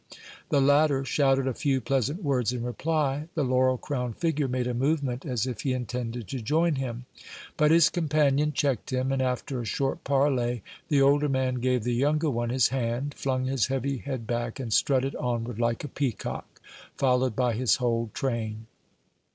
The latter shouted a few pleasant words in reply. The laurel crowned figure made a movement as if he intended to join him, but his companion checked him, and, after a short parley, the older man gave the younger one his hand, flung his heavy head back, and strutted onward like a peacock, followed by his whole train.